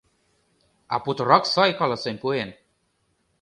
А путырак сай каласен пуэн.